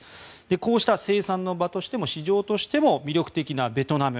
こうした生産の場としても市場としても魅力的なベトナム。